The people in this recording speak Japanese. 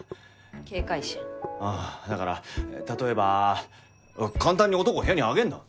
ああだから例えば簡単に男を部屋に上げるな。